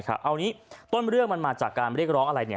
เอานี้ต้นเรื่องมันมาจากการเรียกร้องอะไรเนี่ย